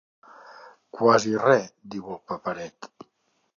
Quasi res diu el paperet!